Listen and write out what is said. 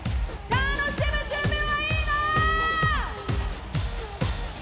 楽しむ準備はいい？